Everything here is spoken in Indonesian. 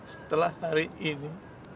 setelah hari ini